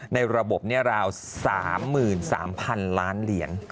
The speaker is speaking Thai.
ในระบบนี้ราว๓๓๐๐๐ล้านเหรียญ